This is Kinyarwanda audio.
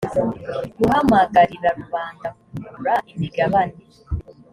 guhamagarira rubanda kugura imigabane